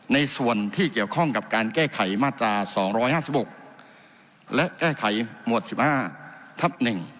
ในส่วนที่เกี่ยวข้องกับการแก้ไขมาตรา๒๕๖และแก้ไขหมวด๑๕ทับ๑